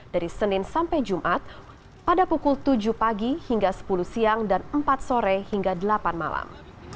dari senin sampai jumat pada pukul tujuh pagi hingga sepuluh siang dan empat sore hingga delapan malam